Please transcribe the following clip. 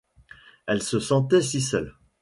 Elle se sentait si seule !